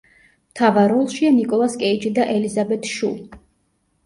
მთავარ როლშია ნიკოლას კეიჯი და ელიზაბეთ შუ.